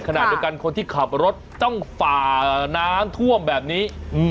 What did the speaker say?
ขณะเดียวกันคนที่ขับรถต้องฝ่าน้ำท่วมแบบนี้